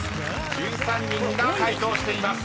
［１３人が回答しています］